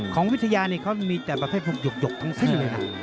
ของวิทยานี่เขามีแต่ประเภทพวกหยกทั้งสิ้นเลยนะ